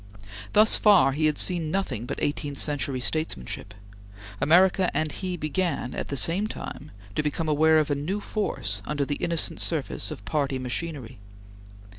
Thus far he had seen nothing but eighteenth century statesmanship. America and he began, at the same time, to become aware of a new force under the innocent surface of party machinery.